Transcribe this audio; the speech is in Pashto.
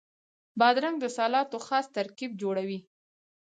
بادرنګ د سلاتو خاص ترکیب جوړوي.